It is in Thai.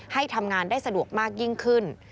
ให้ทำงานได้สะดวกมากยิ่งขึ้น